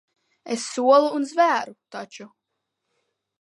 Es solu un zvēru taču.